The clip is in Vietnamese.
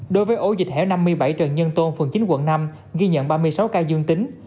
đối với ổ dịch hẻo năm mươi bảy trần nhân tôn phường chín quận năm ghi nhận ba mươi sáu ca dương tính